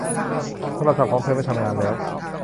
โทรศัพท์ของเธอไม่ทำงานแล้ว